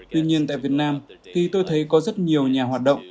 tuy nhiên tại việt nam thì tôi thấy có rất nhiều nhà hoạt động